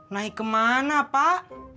naik ke mana pak